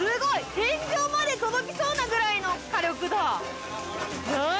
天井まで届きそうなぐらいの火力だ。